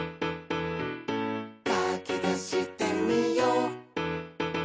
「かきたしてみよう」